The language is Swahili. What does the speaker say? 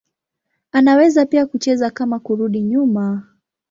Anaweza pia kucheza kama kurudi nyuma.